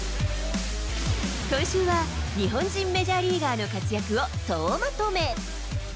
今週は日本人メジャーリーガーの活躍を総まとめ。